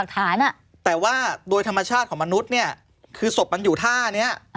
แต่ว่าโดยธรรมชาติของมนุษย์เนี่ยคือศพมันอยู่ท่านี้